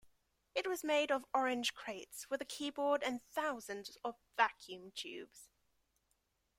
It was made of orange crates with a keyboard and thousands of vacuum tubes!